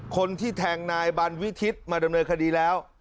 คนที่แทงนายบันวิทิศมาดำเนินคดีแล้ว